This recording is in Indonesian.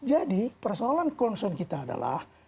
jadi persoalan konsul kita adalah